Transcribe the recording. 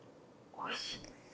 おいしい。